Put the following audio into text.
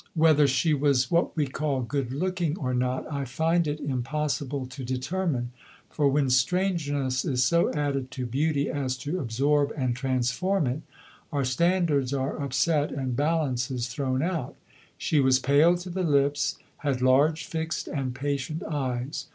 Whether she was what we call good looking or not I find it impossible to determine, for when strangeness is so added to beauty as to absorb and transform it, our standards are upset and balances thrown out. She was pale to the lips, had large, fixed and patient eyes.